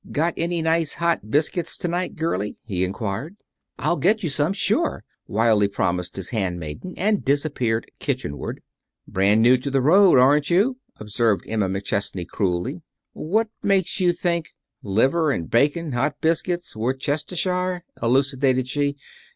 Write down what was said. "Got any nice hot biscuits to night, girlie?" he inquired. "I'll get you some; sure," wildly promised his handmaiden, and disappeared kitchenward. "Brand new to the road, aren't you?" observed Emma McChesney, cruelly. "What makes you think " "Liver and bacon, hot biscuits, Worcestershire," elucidated she.